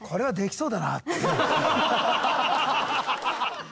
そう。